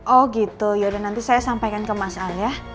oh gitu ya udah nanti saya sampaikan ke mas alde ya